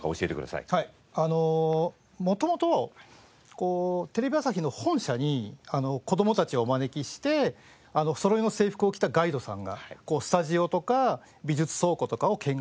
あの元々テレビ朝日の本社に子どもたちをお招きしてそろいの制服を着たガイドさんがスタジオとか美術倉庫とかを見学するって。